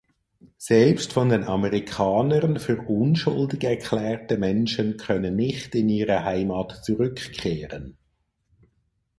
Selbst von den Amerikanern für unschuldig erklärte Menschen können nicht in ihre Heimat zurückkehren.